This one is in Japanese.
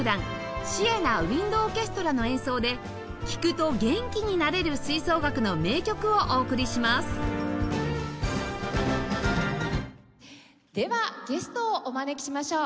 シエナ・ウインド・オーケストラの演奏で聴くと元気になれる吹奏楽の名曲をお送りしますではゲストをお招きしましょう。